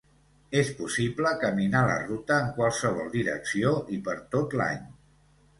És possible caminar la ruta en qualsevol direcció, i per tot l'any.